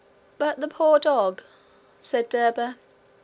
'But the poor dog!' said Derba.